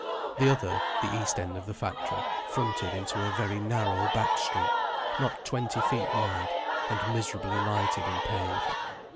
The other, the east end of the factory, fronted into a very narrow back street, not twenty feet wide, and miserably lighted and paved.